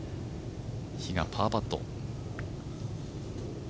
比嘉、パーパット。